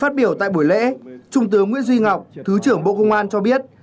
phát biểu tại buổi lễ trung tướng nguyễn duy ngọc thứ trưởng bộ công an cho biết